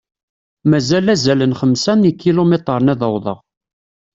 Mazal azal n xemsa n ikilumitren ad awḍeɣ.